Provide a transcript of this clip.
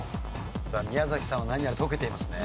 さあ宮崎さんは何やら解けていますね。